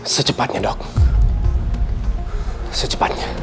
secepatnya dok secepatnya